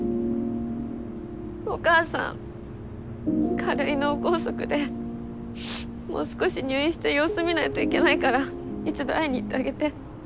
お母さん軽い脳梗塞でもう少し入院して様子見ないといけないから一度会いに行ってあげて。